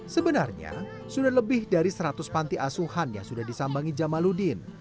sebenarnya sudah lebih dari seratus panti asuhan yang sudah disambangi jamaludin